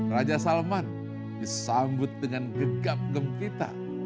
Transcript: raja salman disambut dengan gegap gempita